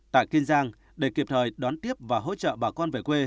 tại kinh giang để kịp thời đón tiếp và hỗ trợ bà con